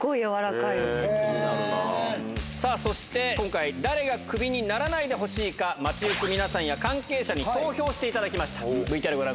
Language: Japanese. さあ、そして、今回、誰がクビにならないでほしいか、街行く皆さんや関係者に投票していただきました。